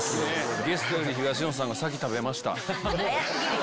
ゲストより東野さんが先食べました。